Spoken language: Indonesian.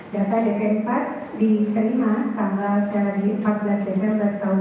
data dpt empat diterima tanggal empat belas desember tahun dua ribu dua puluh dua